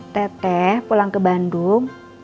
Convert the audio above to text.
tete pulang ke bandung